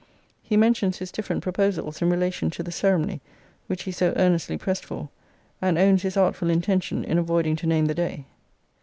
He mentions his different proposals in relation to the ceremony, which he so earnestly pressed for; and owns his artful intention in avoiding to name the day.